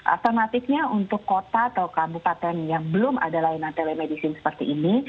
alternatifnya untuk kota atau kabupaten yang belum ada layanan telemedicine seperti ini